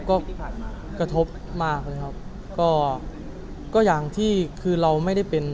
ก็ผ่านมากระทบมากเลยครับก็ก็อย่างที่คือเราไม่ได้เป็น